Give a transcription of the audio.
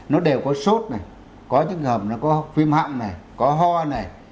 nó đều có sốt này có những cái hầm nó có phim hậm này có ho này